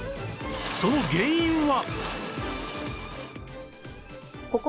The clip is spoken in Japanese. その原因は？